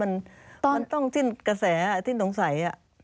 มันต้องจิ้นกระแสจิ้นตรงใส